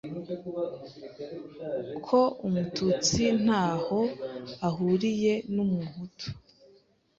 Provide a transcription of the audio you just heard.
ko Umututsi ntaho ahuriye n’Umuhutu